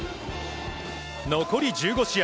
残り１５試合。